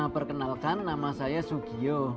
perkenalkan nama saya sugiyo